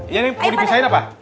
ini mau dipisahin apa